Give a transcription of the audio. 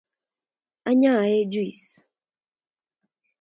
Anyaee juis